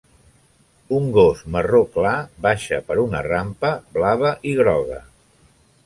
Un gos marró clar baixa per una rampa blava i groga.